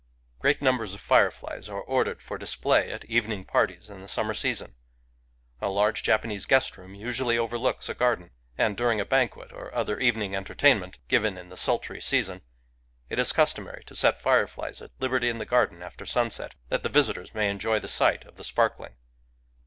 Great.iiumbers of fireflies arc ordered for display at evening parties in the summer season. A large Japanese guest room usually overlooks a garden ; and during a banquet or other evening entertain ment, given in the sultry season, it is customary to set fireflies at liberty in the garden after sunset, that the visitors may enjoy the sight of the spar kling.